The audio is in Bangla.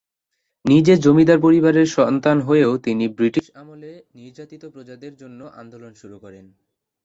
নিজে জমিদার পরিবারের সন্তান হয়েও তিনি ব্রিটিশ আমলে নির্যাতিত প্রজাদের জন্য আন্দোলন শুরু করেন।